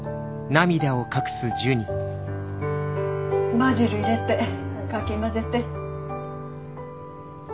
バジル入れてかき混ぜて。